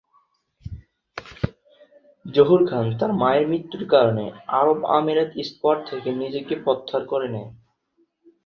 জহুর খান তার মায়ের মৃত্যুর কারণে আরব আমিরাত স্কোয়াড থেকে নিজেকে প্রত্যাহার করে নেয়।